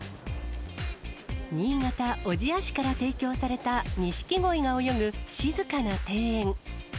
新潟・小千谷市から提供されたにしきごいが泳ぐ、静かな庭園。